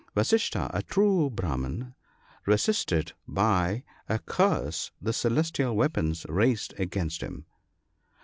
Vasistha, a true Brahman, resisted by a curse the celestial weapons raised against him.